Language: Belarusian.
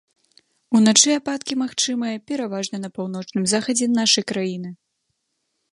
Уначы ападкі магчымыя пераважна на паўночным захадзе нашай краіны.